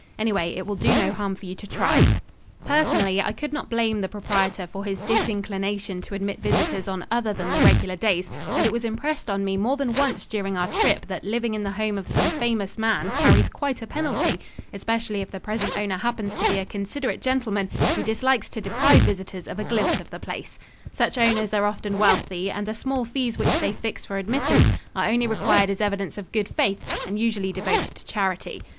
Anyway, it will do no harm for you to try." [Illustration: DICKENS' HOME, GAD'S HILL, NEAR ROCHESTER.] Personally, I could not blame the proprietor for his disinclination to admit visitors on other than the regular days, and it was impressed on me more than once during our trip that living in the home of some famous man carries quite a penalty, especially if the present owner happens to be a considerate gentleman who dislikes to deprive visitors of a glimpse of the place. Such owners are often wealthy and the small fees which they fix for admittance are only required as evidence of good faith and usually devoted to charity.